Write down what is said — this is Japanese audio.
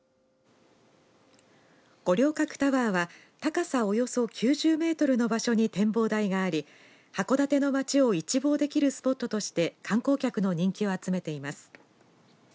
五稜郭タワーは高さおよそ９０メートルの場所に展望台があり函館の街を一望できるスポットとして観光客の人気を集めています。